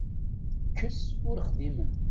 Kkes ur xdimen.